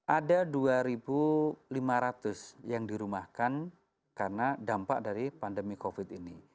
ada dua lima ratus yang dirumahkan karena dampak dari pandemi covid ini